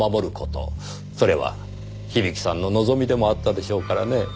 それは響さんの望みでもあったでしょうからねぇ。